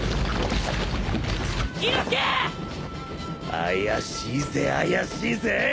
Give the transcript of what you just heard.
怪しいぜ怪しいぜ。